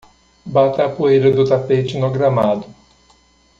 Bata a poeira do tapete no gramado.